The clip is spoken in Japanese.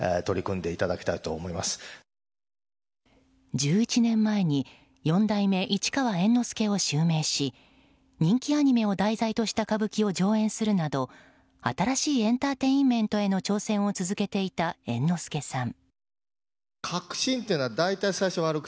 １１年前に四代目市川猿之助を襲名し人気アニメを題材とした歌舞伎を上演するなど新しいエンターテインメントへの挑戦を続けていた猿之助さん。